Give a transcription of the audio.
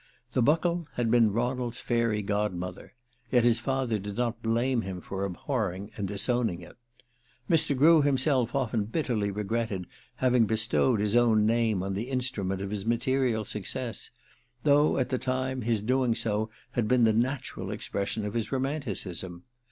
The Buckle had been Ronald's fairy godmother yet his father did not blame him for abhorring and disowning it. Mr. Grew himself often bitterly regretted having bestowed his own name on the instrument of his material success, though, at the time, his doing so had been the natural expression of his romanticism.